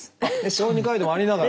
小児科医でもありながら。